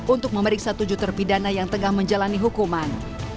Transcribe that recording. untuk memeriksa tujuh terpidana yang tengah menjalani hukuman